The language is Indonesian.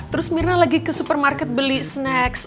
terus mirna lagi ke supermarket beli snack